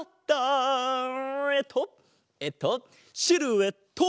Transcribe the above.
えっとえっとシルエット。